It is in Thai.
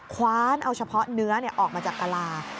คว้านเอาเฉพาะเนื้อออกมาจากกะลา